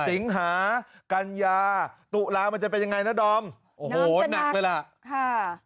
สิงหากัญญาตุลามันจะเป็นยังไงนะดอมโอ้โหหนักเลยล่ะค่ะ